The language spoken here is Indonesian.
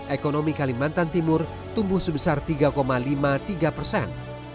ekonomi kalimantan timur tumbuh sebesar tiga lima puluh tiga persen